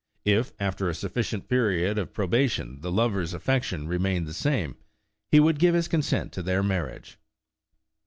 If, after a suf ficient period of probation, the lover's affection re mained the same, he would give his consent to their marriage.